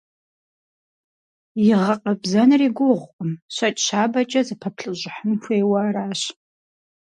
И гъэкъэбзэнри гугъукъым: щэкӏ щабэкӏэ зэпыплъэщӏыхьын хуейуэ аращ.